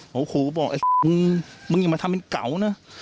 ผมก็คูบอกไอ้มึงอย่ามาทำเป็นเก๋านะ